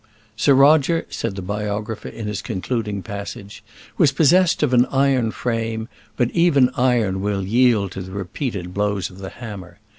"Sir Roger," said the biographer in his concluding passage, "was possessed of an iron frame; but even iron will yield to the repeated blows of the hammer.